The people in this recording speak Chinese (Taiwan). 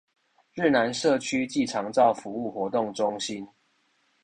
日南社區暨長照服務活動中心